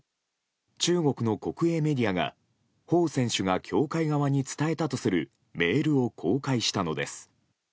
中国の国営メディアがホウ選手が協会側に伝えたとするメールを公開したのです。